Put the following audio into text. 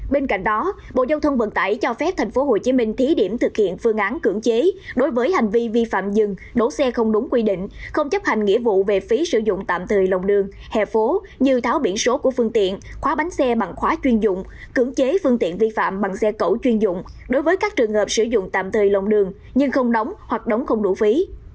từ đó sở giao thông vận tài tp hcm đã kiến nghị bộ giao thông vận tài cho phép tp hcm thí điểm thực hiện phương án cưỡng chế đối với hành vi vi phạm dừng đổ xe không đúng quy định không chấp hành nghĩa vụ về phí sử dụng tạm thời lòng đường hẹp phố như tháo biển số của phương tiện khóa bánh xe bằng khóa chuyên dụng cưỡng chế phương tiện vi phạm bằng xe cẩu chuyên dụng đối với các trường hợp sử dụng tạm thời lòng đường nhưng không đóng hoặc đóng không đủ phí